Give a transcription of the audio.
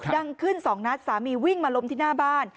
ดังขึ้นสองนัดสามีวิ่งมาล้มที่หน้าบ้าน